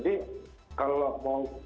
karena bukan pelaku sebenarnya